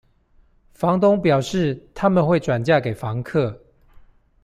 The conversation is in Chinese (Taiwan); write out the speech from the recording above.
房東表示，他們會轉嫁給房客